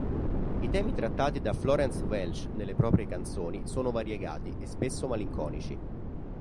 I temi trattati da Florence Welch nelle proprie canzoni sono variegati e spesso malinconici.